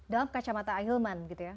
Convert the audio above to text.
dalam kacamata ahilman gitu ya